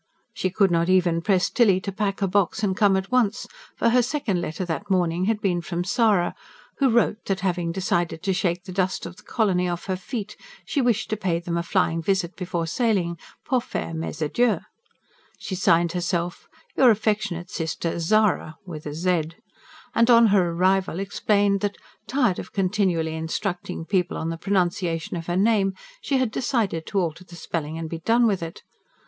She could not even press Tilly to pack her box and come at once; for her second letter that morning had been from Sara, who wrote that, having decided to shake the dust of the colony off her feet, she wished to pay them a flying visit before sailing, "POUR FAIRE MES ADIEUX." She signed herself "Your affectionate sister Zara," and on her arrival explained that, tired of continually instructing people in the pronunciation of her name, she had decided to alter the spelling and be done with it.